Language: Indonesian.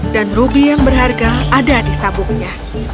dan rubi yang berharga ada di sabuknya